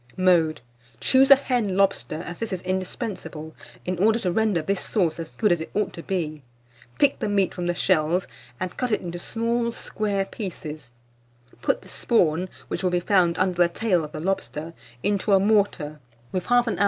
Mode. Choose a hen lobster, as this is indispensable, in order to render this sauce as good as it ought to be. Pick the meat from the shells, and cut it into small square pieces; put the spawn, which will be found under the tail of the lobster, into a mortar with 1/2 oz.